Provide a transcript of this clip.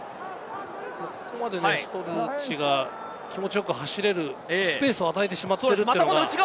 ここまでストルチが気持ちよく走れるスペースを与えてしまっているというのが。